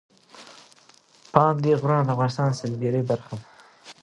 پابندی غرونه د افغانستان د سیلګرۍ برخه ده.